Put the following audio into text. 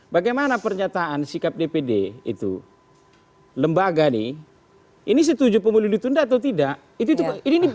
bagaimana pernyataan sikap dpd itu lembaga nih ini setuju pemilu ditunda atau tidak itu